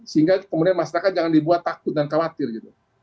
sehingga kemudian masyarakat jangan dibuat takut dan khawatir gitu